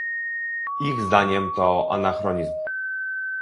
Ich zdaniem to anachronizm